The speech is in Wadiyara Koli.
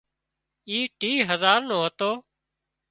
اي ٽِيهه هزار نو هتو